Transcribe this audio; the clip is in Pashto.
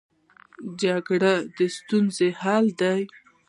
جرګه د ستونزو حل دی